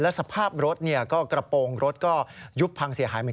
และสภาพรถกระโปรงรถก็ยุบพังเสียหาย